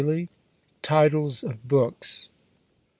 ] TITLES OF BOOKS.